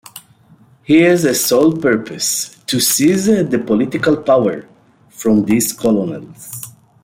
He has a sole purpose: to seize the political power from these "colonels".